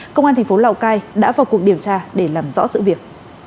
công an thành phố lào cai đã vào cuộc điều tra để làm rõ sự việc